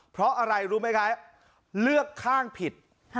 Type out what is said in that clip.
เพราะอะไรรู้ไหมคะเลือกข้างผิด